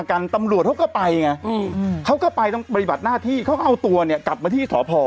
กันตำรวจเขาก็ไปไงเขาก็ไปต้องปฏิบัติหน้าที่เขาก็เอาตัวเนี่ยกลับมาที่สพ